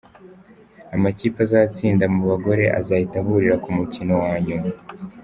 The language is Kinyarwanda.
Amakipe azatsinda mu bagore azahita ahurira ku mukino wa nyuma.